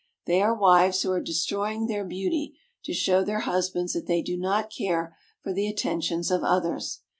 They are wives who are destroying their beauty to show their husbands that they do not care for the attentions of others.